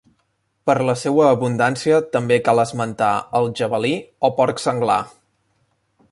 Per la seua abundància també cal esmentar el javalí o porc senglar.